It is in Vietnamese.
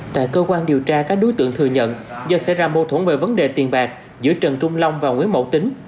tại cơ quan điều tra các đối tượng thừa nhận do xảy ra mâu thuẫn về vấn đề tiền bạc giữa trần trung long và nguyễn mậu tính